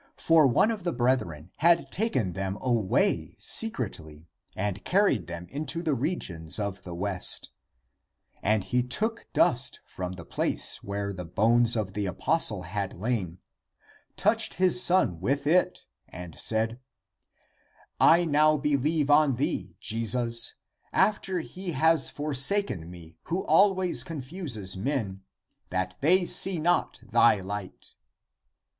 For one of the brethren had taken them away secretly and carried them into the regions of the West.^ And he took dust from the place where the bones of the apostle had lain, touched his son with it, and said, " I now believe on thee, Jesus, after he has for saken me, who always confuses men, that they see 3 According to tradition : to Edessa. Z(i2 THE APOCRYPHAL ACTS not thy light."